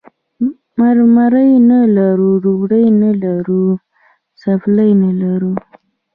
مرمۍ نه لرو، ډوډۍ نه لرو، څپلۍ نه لرو.